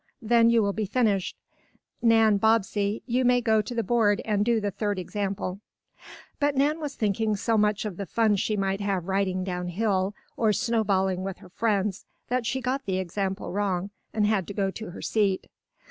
Then you will be finished. Nan Bobbsey, you may go to the board and do the third example." But Nan was thinking so much of the fun she might have riding down hill, or snowballing with her friends, that she got the example wrong, and had to go to her seat.